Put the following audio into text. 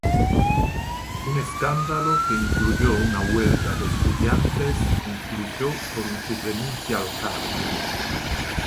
Un escándalo que incluyó una "huelga" de estudiantes concluyó con su renuncia al cargo.